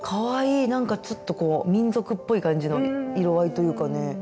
なんかちょっとこう民族っぽい感じの色合いというかね。